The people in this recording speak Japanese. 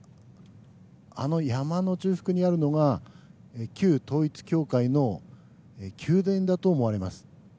あの山の中腹にあるのが旧統一教会の宮殿だと思われます。